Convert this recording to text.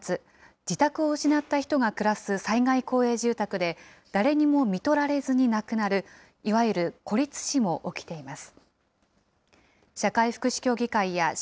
自宅を失った人が暮らす災害公営住宅で、誰にもみとられずに亡くなる、いわゆる孤立死も起きています。